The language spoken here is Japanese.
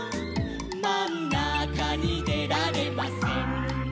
「まんなかにでられません」